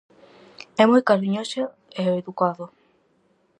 É moi cariñoso e educado.